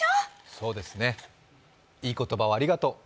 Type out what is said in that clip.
そうですね、いい言葉をありがとう。